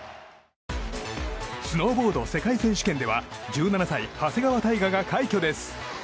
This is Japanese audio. スノーボード世界選手権では１７歳、長谷川帝勝が快挙です。